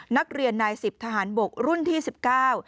นักเรียนนายสิบทหารบกรุ่นที่สิบเก้า